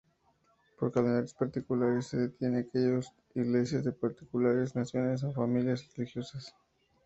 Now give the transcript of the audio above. Por "calendarios particulares" se entiende aquellos de ""Iglesias particulares, naciones o familias religiosas"".